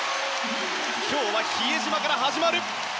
今日は比江島から始まる。